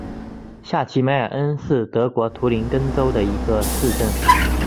下齐梅尔恩是德国图林根州的一个市镇。